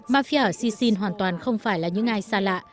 make ở sisin hoàn toàn không phải là những ai xa lạ